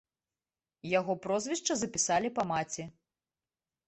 Яго прозвішча запісалі па маці.